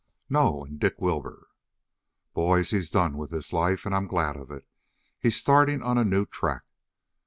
"No. And Dick Wilbur?" "Boys, he's done with this life and I'm glad of it. He's starting on a new track."